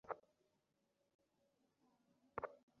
অবস্থা খুব খারাপ নয়।